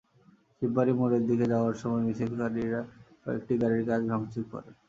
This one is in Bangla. শিববাড়ী মোড়ের দিকে যাওয়ার সময় মিছিলকারীরা কয়েকটি গাড়ির কাচ ভাঙচুর করে।